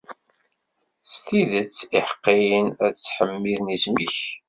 S tidet, iḥeqqiyen ad ttḥemmiden isem-ik.